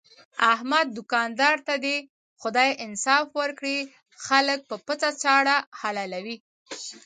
احمد دوکاندار ته دې خدای انصاف ورکړي، خلک په پڅه چاړه حلالوي.